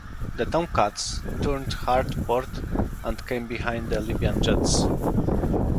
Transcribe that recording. The Tomcats turned hard port and came behind the Libyan jets.